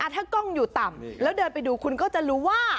ถ้ากล้องอยู่ต่ำแล้วเดินไปดูคุณก็จะรู้ว่า